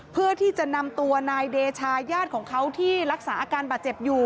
เพื่อที่จะนำตัวนายเดชายาดของเขาที่รักษาอาการบาดเจ็บอยู่